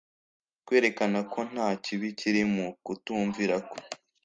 kwerekana ko nta kibi kiri mu kutumvira kwe